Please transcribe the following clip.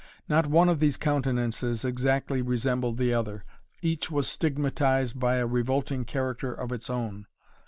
Not one of these countenances exactly resembled the other. Each was stigmatized by a revolting character of its own.